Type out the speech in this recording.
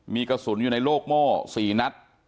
มีกระสุนอยู่ในโลกโม่๔นัด